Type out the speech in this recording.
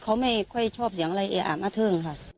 เขาไม่ค่อยชอบเสียงอะไร